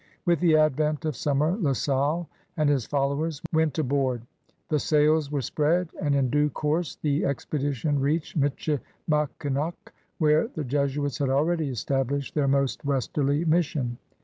With the advent of siunmer La Salle and his followers went aboard; the sails were spread, and in due course the expe dition reached Michilimackinac, where the Jesuits had already established their most westerly mission.